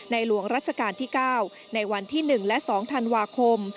หลวงรัชกาลที่๙ในวันที่๑และ๒ธันวาคม